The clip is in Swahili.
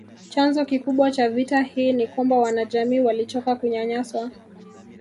Chanzo kikubwa cha vita hii ni kwamba wanajamii walichoka kunyanyaswa